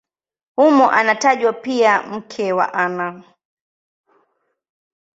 Humo anatajwa pia mke wake Ana.